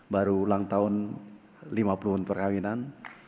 baru ulang tahun lima puluh tahun perkahwinan